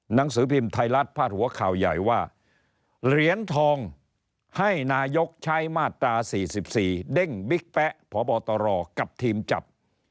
หนังสือพิมพ์ไทยรัฐพาดหัวข่าวใหญ่ว่าเหรียญทองให้นายกใช้มาตรา๔๔เด้งบิ๊กแป๊ะพบตรกับทีมจับ